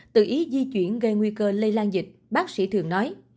tự ý di chuyển gây nguy cơ lây lan dịch bác sĩ thường nói